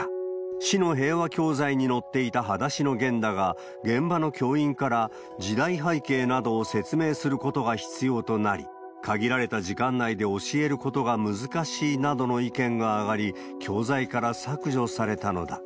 市の平和教材に載っていたはだしのゲンだが、現場の教員から時代背景などを説明することが必要となり、限られた時間内で教えることが難しいなどの意見が上がり、教材から削除されたのだ。